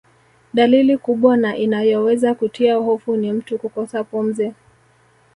Dalili kubwa na inayoweza kutia hofu ni mtu kukosa pumzi